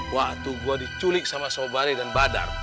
waktu gue diculik sama sobari dan badar